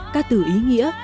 ca từ ý nghĩa